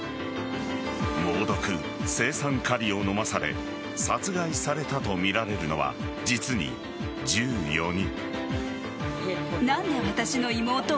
猛毒・青酸カリを飲まされ殺害されたとみられるのは実に１４人。